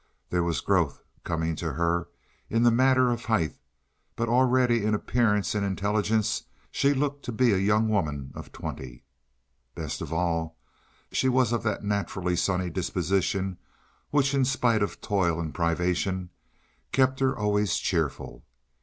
There was growth coming to her in the matter of height, but already in appearance and intelligence she looked to be a young woman of twenty. Best of all, she was of that naturally sunny disposition, which, in spite of toil and privation, kept her always cheerful.